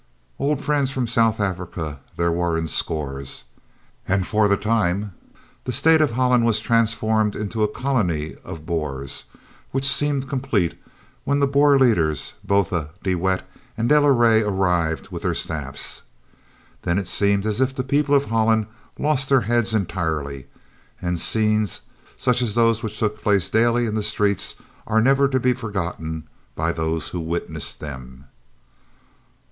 Old friends from South Africa there were in scores, and for the time the State of Holland was transformed into a colony of Boers, which seemed complete when the Boer leaders, Botha, de Wet, and de la Rey, arrived with their staffs. Then it seemed as if the people of Holland lost their heads entirely, and scenes such as those which took place daily in the streets are never to be forgotten by those who witnessed them.